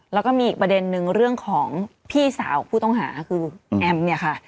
แล้วก็มีอีกประเด็นนึงเรื่องของพี่สาวผู้ต้องหาคือแอมเนี่ยค่ะ